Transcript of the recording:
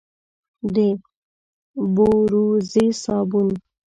د بوروزې صابون،